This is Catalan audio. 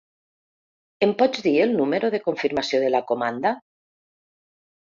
Em pots dir el número de confirmació de la comanda?